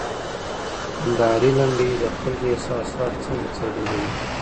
کندهاري لنډۍ د خلګو احساسات څنګه څرګندوي؟